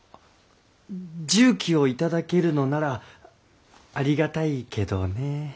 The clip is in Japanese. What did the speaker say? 什器を頂けるのならありがたいけどねえ。